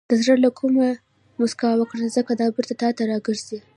• د زړه له کومې موسکا وکړه، ځکه دا بېرته تا ته راګرځي.